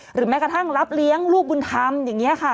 แม้กระทั่งรับเลี้ยงลูกบุญธรรมอย่างนี้ค่ะ